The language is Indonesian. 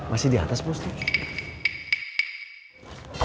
masih di atas prostit